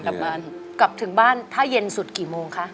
กลับถึงบ้านถ้าเย็นสุดกี่โมงคะ